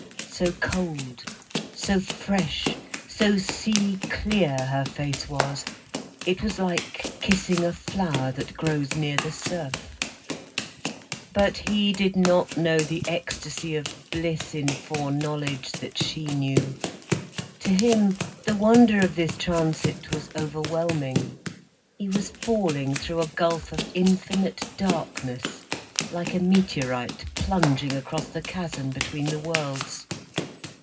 So cold, so fresh, so sea clear her face was, it was like kissing a flower that grows near the surf. But he did not know the ecstasy of bliss in fore knowledge that she knew. To him, the wonder of this transit was overwhelming. He was falling through a gulf of infinite darkness, like a meteorite plunging across the chasm between the worlds.